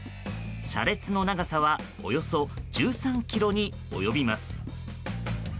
車列の長さはおよそ１３ｋｍに及びます。